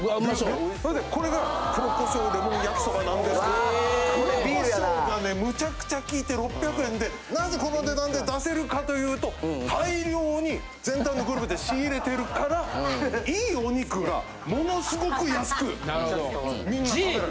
これが黒胡椒レモン焼きそばなんですけど黒胡椒がねむちゃくちゃきいて６００円でなぜこの値段で出せるかというと大量に全体のグループで仕入れてるからいいお肉がものすごく安くみんな食べられる。